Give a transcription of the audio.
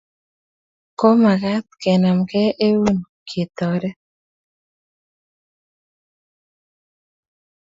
Komakat kenamkei einun ketoret